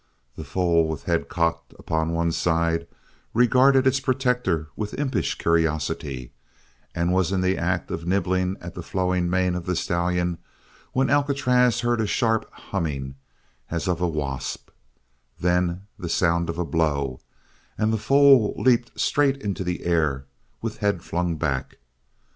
The foal, with head cocked upon one side, regarded its protector with impish curiosity and was in the act of nibbling at the flowing mane of the stallion when Alcatraz heard a sharp humming as of a wasp; then the sound of a blow, and the foal leaped straight into the air with head flung back.